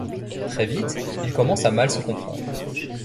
Très vite ils commencent à mal se comprendre.